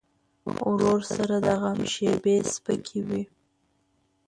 ورور سره د غم شیبې سپکې وي.